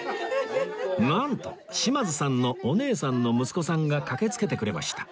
なんと島津さんのお姉さんの息子さんが駆けつけてくれました